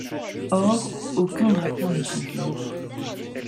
Or aucun drapeau n'y figure.